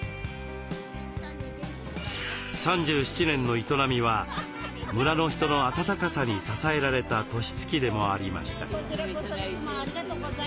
３７年の営みは村の人の温かさに支えられた年月でもありました。